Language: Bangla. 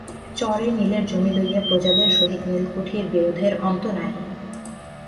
চরে নীলের জমি লইয়া প্রজাদের সহিত নীলকুঠির বিরোধের অন্ত নাই।